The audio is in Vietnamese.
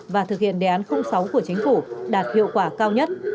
và thực hiện đề án sáu của chính phủ đạt hiệu quả cao nhất